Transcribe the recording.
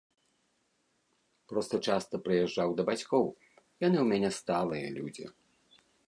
Проста часта прыязджаў да бацькоў, яны ў мяне сталыя людзі.